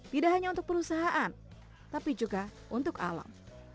tidak hanya untuk perusahaan tapi juga untuk alam